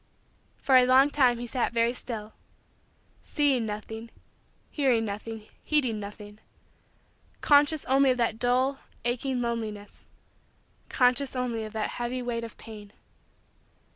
For a long time he sat very still seeing nothing, hearing nothing, heeding nothing conscious only of that dull, aching, loneliness conscious only of that heavy weight of pain.